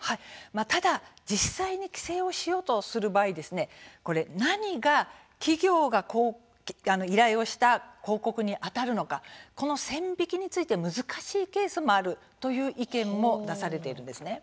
ただ実際に規制をしようとする場合ですね何が企業が依頼をした広告にあたるのか、この線引きについて難しいケースもあるという意見も出されているんですね。